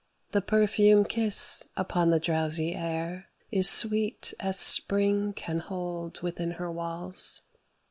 The perfume kiss upon the drowsy air Is sweet as Spring can hold within her walls.